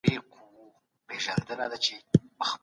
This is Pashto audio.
اندازه باید دقت سره وشي.